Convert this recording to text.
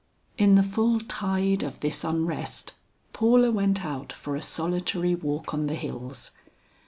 In the full tide of this unrest, Paula went out for a solitary walk on the hills.